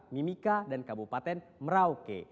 mimika dan kabupaten merauke